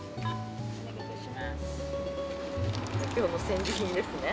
今日の戦利品ですね。